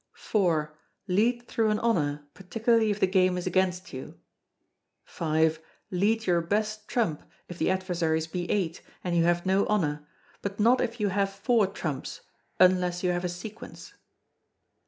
iv. Lead through an honour, particularly if the game is against you. v. Lead your best trump, if the adversaries be eight, and you have no honour; but not if you have four trumps, unless you have a sequence.